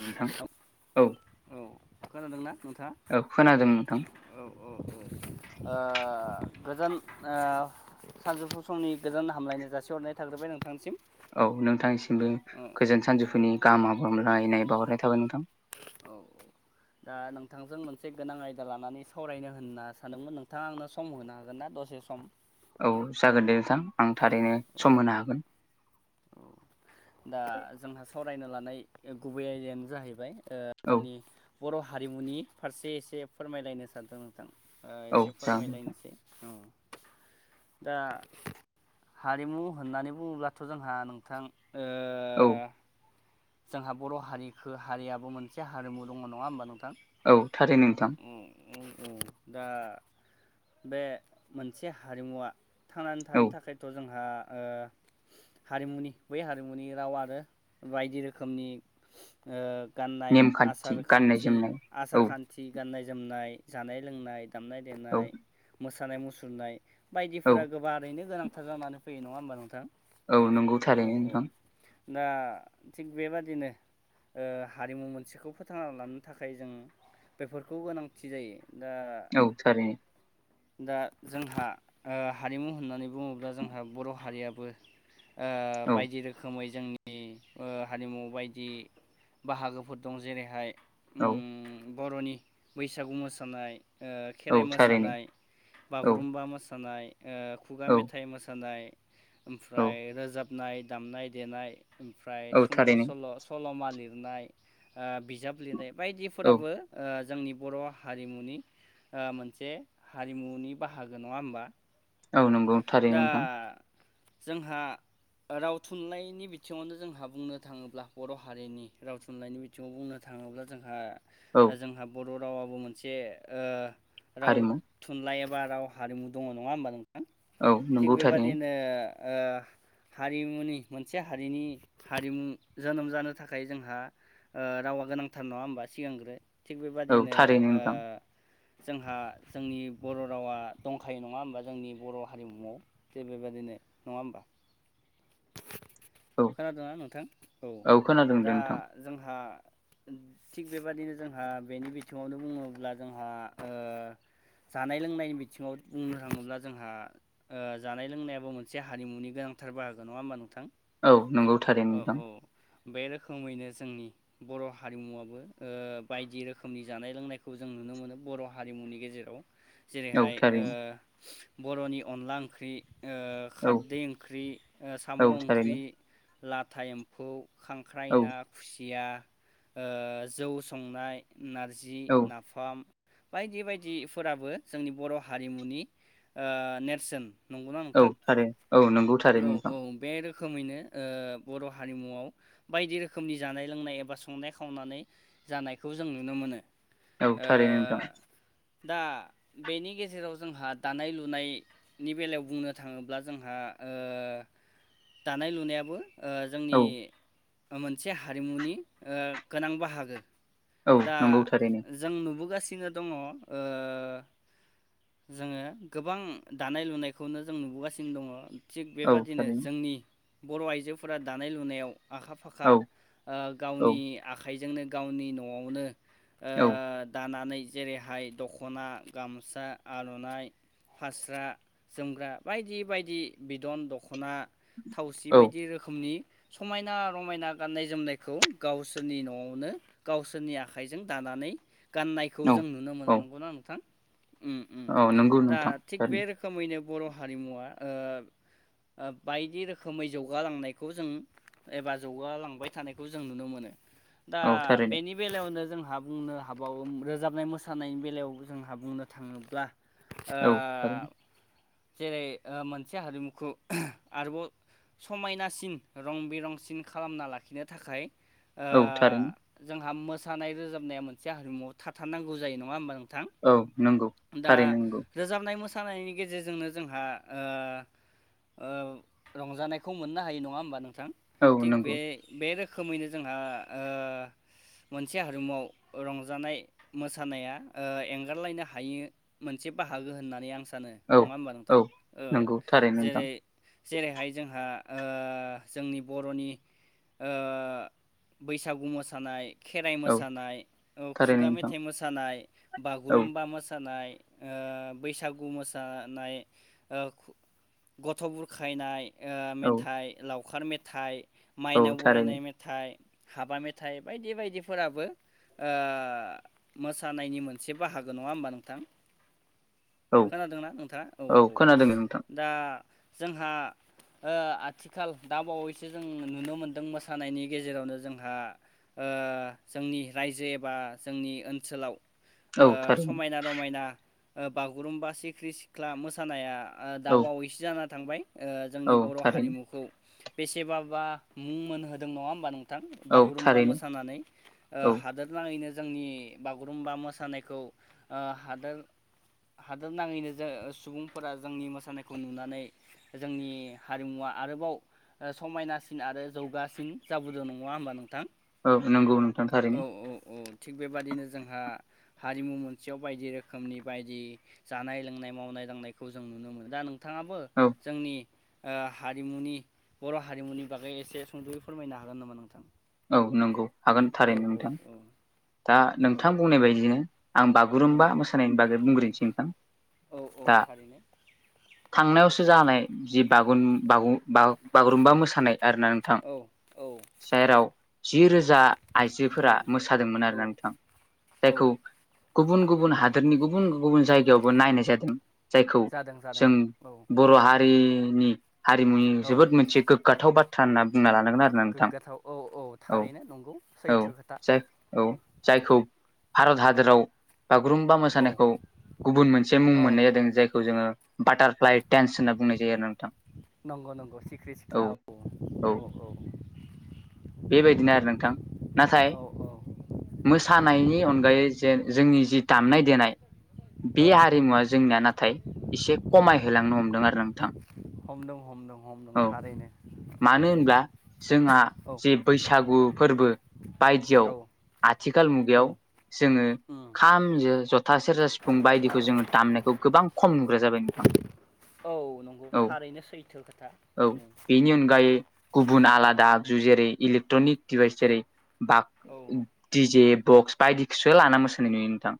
नोंथां औ औ खोनादों ना नोंथाङा? औ खोनादों नोंथां औ औ औ ओ। गोजोन ओ सानजौफु समनि गोजोन हामलायनाय जासिहरनाय थाग्रोबाय नोंथांनिसिम। औ नोंथांनिसिमबो गोजोन सानजौफुनि गाहाम हामलायनाय बावहरनाय थाबाय नोंथां। औ दा नोंथांजों मोनसे गोनां आयदा लानानै सावरायनो होनना सानदोंमोन नोंथाङा आंनो सम होनो हागोन ना दसे सम? औ जागोन दे नोंथां आं थारैनो औ सम होनो हागोन। औ दा जोंहा सावरायनो लानाय गुबै आयदायानो जाहैबाय ओ- औ जोंनि बर' हारिमुनि फारसे एसे फोरमायलायनो सानदों नोंथां। ओ औ एसे जागोन नोंथां फोरमायलायनोसै औ। दा हारिमु होननानै बुङोब्लाथ' जोंहा नोंथां ओ औ। जोंहा बर' हारिखो हारियाबो मोनसे हारिमु दंङ नङा होमबा नोंथां? औ थारैनो नोंथां। औ औ दा बे मोनसे हारिमुवा थांनानै थानो औ थाखायथ' जोंहा ओ हारिमुनि बै हारिमुनि राव आरो बायदि रोखोमनि ओ गाननाय नेमखान्थि आसार गाननाय खान्थि जोमनाय आसार औ खान्थि गाननाय जोमनाय जानाय लोंनाय दामनाय औ देनाय मोसानाय मुसुरनाय औ बायदिफोरा गोबारैनो गोनां जानानैै फैयो नङा होमबा नोंथां? औ नंगौ औ थारैनो औ नोंथां। दा थिग बेबादिनो ओ हारिमु मोनसेखौ फोथांना लानो थाखाय जों बेफोरखौ गोनांथि जायो। दा औ थारैनो दा जोंहा हारिमु होननानै बुङोब्ला जोंहा बर' हारियाबो। ओ औ बायदि रोखोमै जोंनि हारिमु बायदि बाहागोफोर दं जेरैहाय उम औ। बर'नि बैसागु मोसानाय औ खेराइ थारैनो मोसानाय औ बागुरुम्बा मोासा नाय ओ खुगा औ मेथाइ मोसानाय औ ओमफ्राय रो नाय दाबनाय दामनाय देनाय ओमफ्राय औ सुंद' थारैनो सल', सल'मा लिरनाय बिजाब लिरनाय औ बायदिफोराबो ओ जोंनि बर' हारिमुनि मोनसे हारिमुनि बाहागो नङा होमबा? औ नंगौ थारैनो दा नोंथां। जोंहा राव थुनलाइनि बिथिङावनो जोंहा बुंनो थाङोब्ला बर' हारिनि राव थुनलाइनि बिथिङाव बुंनो था थाङोब्ला जोंहा औ जोंहा बर' रावाबो मोनसे ओ राव हारिमु थुनलाइ बा राव हारिमु दंङ नङा होमबा नोंथां औ थिग नंगौ थारैनो बेबादिनो ओ हारिमुनि मोनसे हारिनि हारिमु जोनोम जानो थाखाय जोंहा ओ रावा गोनांथार नङा होमबा सिगांग्रो थिग औ बेबादिनो थारैनो ओ नोंथां जोंहा जोंनि बर' रावा दंखायो नङा होमबा जोंनि बर' हारिमुआव जे बेबदिनो नङा होमबा? औ खोनादोंना नोंथां औ खोनादों दे दा नोंथां जोंहा थिग बेबादिनो जोंहा बेनि बिथिङावनो बुङोब्ला जोंहा ओ जानाय लोंनायनि बिथिङाव बुंनो थाङोब्ला जोंहा जानाय लोंनायाबो मोनसे हारिमुनि गोनांथार बाहागो नङा होमबा नोंथां? औ नंगौ थारै औ नोंथां औ बे रोखोमैनो जोंनि बर' हारिमुवाबो बायदि रोखोमनि जानाय लोंनायखौ जों नु नुनो मोनो बर' हारिमुनि गेजेराव औ जेरैहाय थारैनो बर'नि अनला ओंख्रि औ खारदै ओंख्रि औ साम' थारैनो ओंख्रि लाथा एम्फौ खांख्राइ औ ना खुसिया जौ संनाय नारजि औ नाफाम बायदि बायदिफोराबो जोंनि बर' हारिमुनि नेरसोन नंगौना औ नोंथां थार औ नंगौ थार औ औ नोंथां बे रोखोमैनो बर' हारिमुआव बायदि रोखोमनि जानाय लोंनाय एबा संनाय खावनानै जानायखौ जों नुनो मोनो औ थारैनो नोंथां ओ दा बेनि गेजेराव जोंहा दानाय लु फुनायनि बेलायाव बुंनो थाङोब्ला जोंहा दानाय लुनायाबो ओ औ जोंनि मोनसे हारिमुनि गोनां बाहागो औ दा नंगौ थारैनो जों नुबोगासिनो दंङ जोङो गोबां दानाय लुनायखौनो जों नुबोगासिनो दङ थिग औ बेबादिनो थारैनो जोंनि बर' आइजोफोरा दानाय लुनायाव आखा फाखा औ औ गावनि आखाइजोंनो गावनि न'आवनो औ दानानै जेरैहाय दख'ना गामसा आर'नाइ फास्रा जोमग्रा बायदि बायदि बिदन दख'ना दखना थावसि औ बायदि रोखोमनि समायना रमायना गाननाय जोमनायखौ गावसोरनि न'आवनो गावसोरनि आखाइजों दानानै नानै गाननायखौ जों नुनो मोनो औ नांगौना नोंथां उम उम औ नंगौ दा नोंथां थिग बे सारनि रोखोमैनो बर' हारिमुवा ओ बायदि रोखोमै जौगालांनायखौ जों एबा जौगालांबाय थानायखौ जों नुनो मोनो दा औ थारैनो बेनि बेलायावनो जों जोंहा बुंनो हाबावो रोजाबनाय मोसानाय बेलायाव जोंहा बुंनो थाङोब्ला अ औ थारैनो जेरै मोनसे हारिमुखौ आरोबाव समायनासिन रं बिरंसिन खालामना लाखिनो थाखाय ओ औ थारैनो जोंहा मोसानाय रोजाबनाया मोनसे हारिमुआव थाथारनांगौ जायो नङा होमबा नों औ नंगौ दा थारैनो नंगौ रोजाबनाय मोसानायनि गेजेरजोंनो जोंहा ओ रंजानायखौ मोननो हायो नङा होमबा नोंथां औ थिग नंगौ बे बे रोखोम रोखोमैनो जोंहा ओ मोनसे हारिमुआव रंजानाय मोसानाया एंगारलायनो ह हायो मोनसे बाहागो होननानै आं स सानो औ नंङा होमबा औ नोंथां नंगौ थारैनो नोंथां जेरै जेरैहाय जोंहा जोंनि बर'नि ओ बैसागु मोसानाय खेराइ औ मोसानाय थारैनो खुगा नोंथां मेथाइ मोसानाय औ बागुरुम्बा मोसानाय बैसागु मोसानाय गथ' बुर खायनाय ओ औ मेथाइ लावखार मेथाइ औ माइनाव थारैनो बरायनाय मेथाइ हाबा मेथाइ बायदि बायदिफोराबो ओ मोसानायनि मोनसे बाहागो नंङा होमबा नों नोथां औ खोनादोंना नोंथाङा औ औ खोनादों नोंथां दा जोंहा ओ आथिखाल दा बावैसो जों नुनो मोनदों मोसानायनि गेजेरावनो जोंहा। ओ जोंनि रायजो एबा जोंनि ओनसोलाव औ थारनो। आ ओ बागुरुमबा सिख्रि सिख्ला मोसानाया दा औ बावैसो जाना थांबाय। ओ जोंनि औ बर' थारैनो हारिमुखौ बेसेबाबा मुं मोनहोदों नङा होमबा नों नोंथां औ बागुरुम्बा थारैनो मोसानानै ओ औ हादोर नाङैनो। जोंनि बागुरुम्बा मोसानायखौ ओ हादोर हादोर नाङैनो जों सुबुंफोरा जोंनि मोसानायखौ नुनानै जोंनि हारिमुवा आरोबाव समायनासिन आरो जौगासिन जाबोदों नङा होमबा नोंथां। औ नंगौ नोंथां औ थारैनो। औ औ थिग बेबादिनो जोंहा हारिमु मोन खाथियाव बायदि रोखोमनि बायदि जानाय लोंनाय मावनाय दांनायखौ जों नुनो मोनो। दा नों थाङाबो औ जोंनि ओ हारिमुनि बर' हारिमुनि बागै एसे सुंद'यै फोरमायनो हागोन नामा नोंथां। औ नंगौ हागोन आंनो औ थारैनो औ नोंथां औ दा औ नोंथां बुंनाय बायदिनो आं बागुरुम्बा औ मोसानायनि बागै बुं बुरैसै नोंथां औ औ दा थारैनो थांनायवसो जानाय जिब बागुरुम बागु बागु बागुरुम्बा मोसानाय आर ना नोंथां औ औ जाराव जि रोजा औ आइजोफोरा मोसादोंमोन आरोना नोंथां औ जायखौ गुबुन गुबुन हादोरनि गुबुन गुबुन जायगायावबो नायनाय जादों जायखौ। जादों जादों जों औ। बर' हारिनि हारिमुनि औ जोबोद मोनसे गोग्गाथाव बाथ्रा होनना बुंना लानो। गोग्गाथाव औ औ थारैनो नंगौ औ सैथो खोथा। जाय औ जायखौ भारत हादोराव बागुरुम्बा औ मोसानायखौ गुबुन मोनसे मुं औ मोननाय जादों जायखौ जोङो बाटारफ्लाइ देन्स होनना बुंनाय जायो आरो नोंथां। नंगौ नंगौ सिख्रि औौ सिख्ला औ औ औ। बेबायदिनो आरो नोंथां नाथाय औ मोसानायनि अनगायै जेन जोंनि जि दामनाय देनाय बे औ हारिमुवा जोंनिया नाथाय एसे खमायहोलांनो हमदों आरो नोंथां। हम हमदों औ थारैनो। मानो होनब्ला जोंहा औ जे बैसागु फोरबो बायदियाव औ आथिखाल औ मुगायाव जोङो। उम खामजो जथा, सेरजा, सिफुं बायदिखौ जोङो दामनायखौ गोबां खम नुग्रा जाबाय नोंथां। [inaudible] नंगौ औ थारैनो सैथो खोथा औ बेनि अनगायै गुबुन आलादा जेरै इलेक्ट्रनिक्स दिभाइस जेरै बाक‌ औ दिजे बक्स बायदिखौसो औ लाना मोसानाय नुयो नोंथां।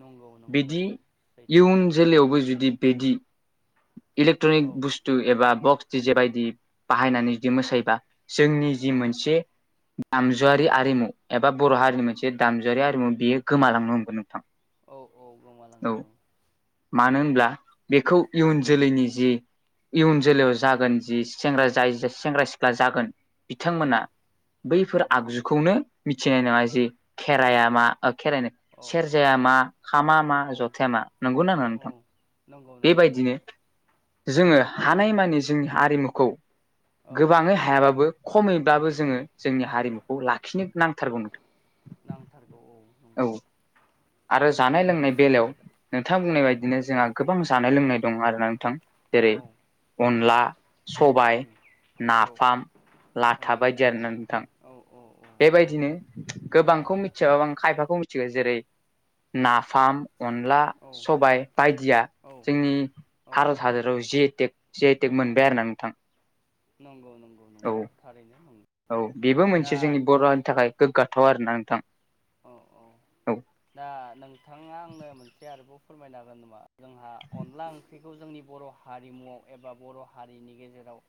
नंगौ नंगौ बिदि नंगौ सैथो इयुन जोलैायावबो जुदि बेदि औ इलेक्ट्रनिक बुस्थु एबा बक्स डिजे बायायदि बाहायनानै जुदि मोसायोबा जोंनि जि औ मोनसे औ दामजुआरि आरिमु एबा बर' औ हारिनि मोनसे दामजुआरारि आरिमु बेयो गोमालांनो हमगोन नोंथां औ औ औ गोमालांगोन मानो होन ब्ला बेखौ इयुन जोलैनि जि इयुन जोलै जागोन जि सेंग्रा जाय सेंग्रा सिख्ला जागोन औ बिथांमोना औ बैफोर आगजुखौनो मिथिनाय नङा जे खेराइ औ मा खेराइनो औ सेरजाया मा खामा मा औ जथाया मा नंगौ नङा औ नोंथां। नंगौ नंगौ बेबायदिनो नंगौ। जोङो हानायमानि जोंनि हारिमुखौ औ गोबाङै हायाबाबो खमैब्लाबो औ जोङो जोंनि हारिमुखौ लाखिनो नांथारगौ मोन नांथारगौ औ [unintelligible] औ। नंगौ आरो जानाय नंगौ लोंनाय सैथो बेलायाव खोथा नोंथां औ बुंनाय बायदिनो जोंहा गोबां जानाय लोंनाय औ दं आरोना नोंथां। जेरै औ अनला, सबाय उम औ नाफाम लाथा बायदि आरोना नोंथां औ औ बेबायदिनो गोबांखौ मिथियाबाबो खायफाखौ मिथिगौ जेरै नाफाम अनला सबाय बायदिया औ जोंनि औ भारत हादराव जि आइ टेक सि आइ टेक मोनबाय आरो ना नोंथां नंगौ नंगौ औ नंगौ थारैनो नंगौ औ बेबो दा मोनसे जोंनि नों बर'नि थाखाय गोग्गाथ थाव आरोना नोंथां औ औ औ दा नोंथाङा आंनो मोनसे आरोबाव फोरमायनो हागोन नामा जोंहा अनला ओंख्रिखौ जोंनि बर' हारिमुआव एबा बर' हारिनि गेजेराव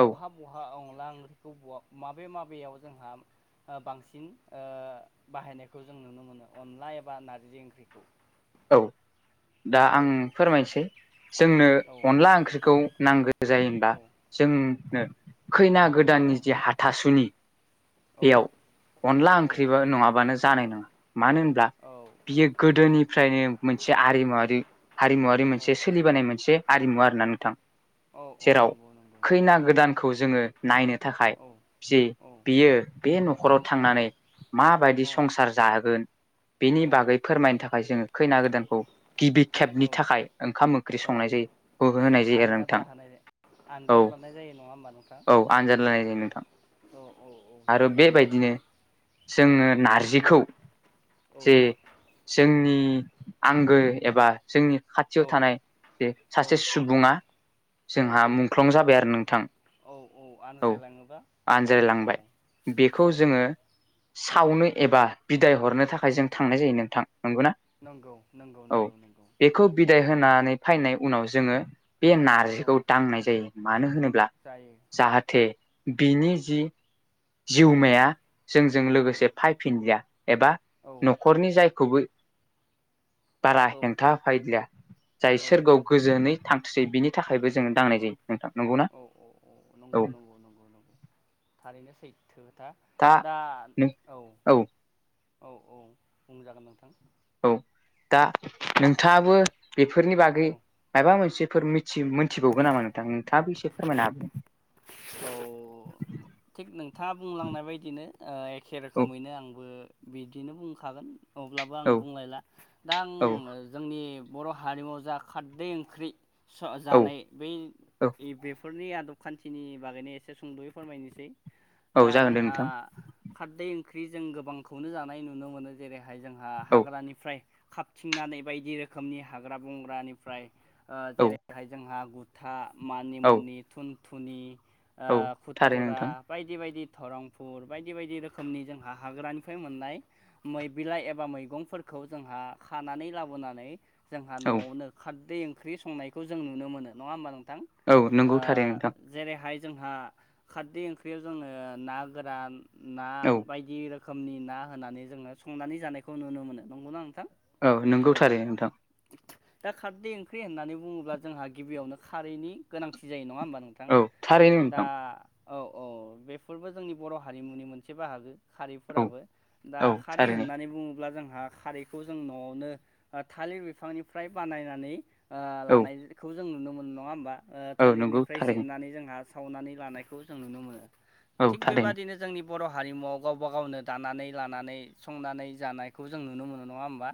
औ बहा बहा अ [unintelligible] माबे माबेयाव ओ जोंहा बांसिन ओ बाहायनायखौ जों नुनो मोनो अनला एबा नारजि ओंख्रिखौ औ दा आं औ फोरमायनोसै जोंनो औ अनला ओंख्रिखौ नांगौ जायोब्लाा जोंनो खैना गोदान गोदाननि जे हाथासुनि बेयाव अनला ओंख्रिबो नङाबानो जानाय नङा मानो होनब्ला बियो गोदोनि फोथायनो मोनसे आरिमु हारिमुवारि मोनसे सोलिबोनाय मोनसे आरिमु आरोना नोंथां औ औ जेराव नंगौ नंगौ खैना गोदानखौ जोङो नायनो थाखाय औ जि औ बियो बे न'खराव थांनानै माबायदि औ संसार जाहोगोन बेनि बागै फोरमायनो थाखाय ओफ्राय जोङो खैना गोदानखौ गिबि औ खेबनि थाखाय ओंखाम ओंख्रि औ संनाय जायो खौबो होनाय जायो आरो आनजाद नोंथां लाहोनाय औ आनजाद लानाय जायो नङा होमबा औ आनजाद लानाय जायो नोंथां औ औ औ आरो थारैनो बेबायदिनो सैथो औ जोङो नारजिखौ औ जे जोंनि आंगो एबा जोंनि औ खाथियाव थानाय जे औ सासे सुबुङा औ जोंहा मुंख्लं जाबाय आरो नोंथां औ औ आनज्रायलाङोबा औ औ आनजायलांबाय बेखौ औ जोङो सावनो एबा बिदाय हरनो थाखाय जों थांनाय जायो नोंथां नंगौना नंगौ नंगौ औ नंगौ नंगौ बेखौ बिदाय होनानै फैनाय उनाव जोङो बे औ नारजिखौ दांनाय जायो मानो होनोब्ला जायो जाहाथे बिनि जि औ जिउमाया जोंजों औ लोगोसे फायफिनलिया एबा औ न'खरनि जायखौबो बारा औ हेंथा होफैलिया जाय औ सोरगखौ गोजोनै थांथसै बिनि थाखायबो जो- औ औ औ औ औ नंगौ नंगौ नंगौ नंगौ थारैनो सैथो आथा दा नों औ औ औ बुंजागोन नोंथां औ दा नोंथाङाबो बेफोरनि औ बागै माबा मोनसे फोर मि मिथिबावगोन नामा नोंथां नोंथाङाबो एसे फोरमायनो हा औ थिग नोंथाङा बुंलांनाय बदिनो एखे औ रोखोमैनो आंबो बिदिनो बुंखागोन अब्लाबो आं औ बुंलायला दा आं औ जोंनि बर' हारिमुाव जा खारदै ओंख्रि स औ जानाय बै औ नफोरनि आदब खान्थिनि बागैनो एसे सुंद'यै फोरमायनोसै औ दा जागोन दे जोंहा नोंथां खारदै ओंख्रि जों गोबांखौनो जानाय नुनो मोनो जेरै बाय जोंहा औ हाग्रानिफ्राय खाबथिंनानै बायदि रोखोमनि हाग्रा बंग्रानिफ्राय ओ औ जेरैहाय जोंहा गुथा मानि औ मुनि थुन थुनि औ ओ थारै टरा नोंथां बायदि बायदि रांफुर बायदि बायदि रोखोमनि जोंहा हाग्रानिफ्राय मोननाय मै बिलाइ एबा मैगंफोरखौ खौ जोंहा खानानै लाबोनानै जोंहा औ न'आवनो खारदै ओंख्रि संनायखौ जों नुनो मोनो नङा होमबा नों जान औ नंगौ ओ थारै नोंथां जेरैहाय जोंहा खारदै ओंख्रियाव जोनो ना गोरान ना औ बायदि रोखोम रोखोमनि ना होनानै जोङो संनानै जानायखौ नुनो मोनो नंगौना नोंथां। औ नंगौथारैनो नोंथां। दा खारदै ओंख्रि होननानै बुङोब्ला जोंहा गिबियावनो खारैनि गोनांथि जायो न नङा होमबा नोंथां औ थारैनो दा नोंथां औ औ बेफोरबो जोंनि बर' हारिमुनि मोनसे बाहागो औ खारैफोराबो दा औ खारै थारैनो होननानै बुङोब्ला जों खारैखौ जों न'आवनो थालिर बिफांनिफ्राय बानायनानै ओ औ लानायखौ जों नुनो मोनो नङा होमबा औ नंगौ थालिरनिफ्राय थारैनो जिरनानै जोंहा सावनानै लानायखौ जों नुनो मोनो औ थिग थारैनो बेबादिनो जोंनि बर' हारिमुआव गावबा गावनो दानानै लानानै संनानै जानायखौ जों नुनो मोनो नङा होमबा